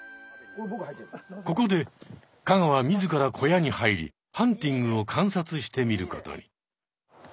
ここで香川自ら小屋に入りハンティングを観察してみることに。